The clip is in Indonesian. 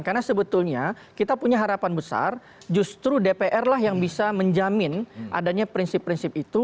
karena sebetulnya kita punya harapan besar justru dpr lah yang bisa menjamin adanya prinsip prinsip itu